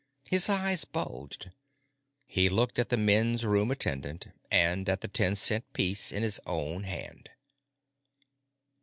His eyes bulged. He looked at the men's room attendant, and at the ten cent piece in his own hand.